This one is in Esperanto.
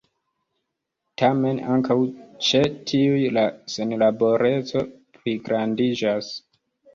Tamen ankaŭ ĉe tiuj la senlaboreco pligrandiĝas.